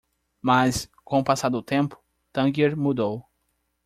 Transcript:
Mas? com o passar do tempo? Tangier mudou.